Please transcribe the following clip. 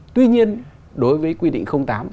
tuy nhiên đối với quy định tám